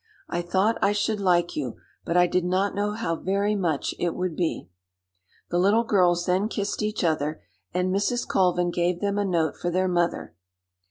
I thought I should like you, but I did not know how very much it would be." The little girls then kissed each other, and Mrs. Colvin gave them a note for their mother.